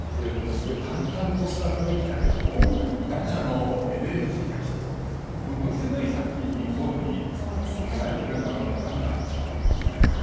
聞いてると淡々とした雰囲気だけど中のエネルギーがものすごく作品に込められているんだろうなと伝わってきますね。